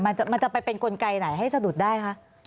มันจะไปเป็นกลไกไหนให้สะดุดได้คะ